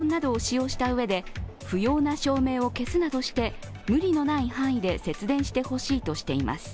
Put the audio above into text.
そのため政府は熱中症にならないよう、エアコンなどを使用したうえで、不要な照明を消すなどして無理のない範囲で節電してほしいとしています。